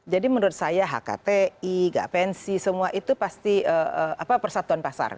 jadi menurut saya hkti gapensi semua itu pasti apa persatuan pasar